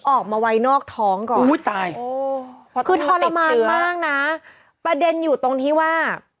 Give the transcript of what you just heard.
ออกมาไว้นอกท้องก่อนอุ้ยตายคือทรมานมากนะประเด็นอยู่ตรงที่ว่า